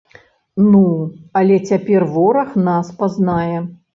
Ну, але цяпер вораг нас пазнае!